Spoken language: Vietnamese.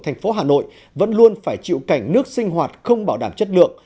thành phố hà nội vẫn luôn phải chịu cảnh nước sinh hoạt không bảo đảm chất lượng